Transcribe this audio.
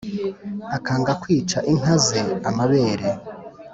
Akanga kwica inka ze amabere!